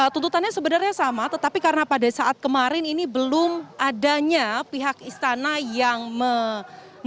tuntutannya sebenarnya sama tetapi karena pada saat kemarin ini belum adanya pihak istana yang menyebutkan